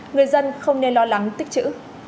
người dân không nên lo lắng tích chữ